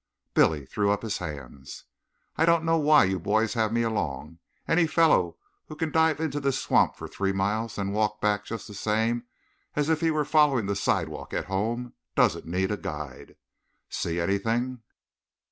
Billy threw up his hands. "I don't know why you boys have me along. Any fellow who can dive into this swamp for three miles, then walk back just the same as if he were following the sidewalk at home, doesn't need a guide. See anything?"